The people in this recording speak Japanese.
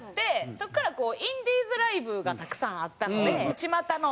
そこからインディーズライブがたくさんあったのでちまたの。